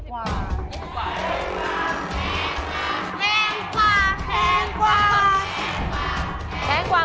แพงกว่า